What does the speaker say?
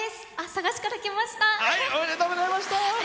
佐賀市から来ました。